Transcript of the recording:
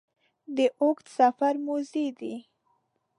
د اوږده سفر موزې دي